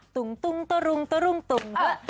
ตุ่งตุ่งตะรุงตะรุงตุ่ง